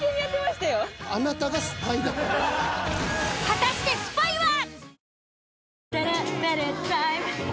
果たしてスパイは！？